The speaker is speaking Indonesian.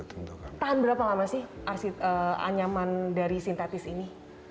tahan berapa lama sih anyaman dari sintetis ini